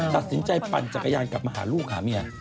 ตัดสินใจปั่นจักรยานกลับมาหาลูกหาเมีย